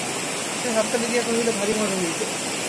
সে হাততালি দিয়া কহিল, ভারি মজা হইবে।